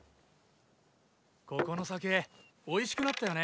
ここの酒おいしくなったよね。